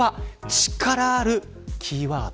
力あるキーワード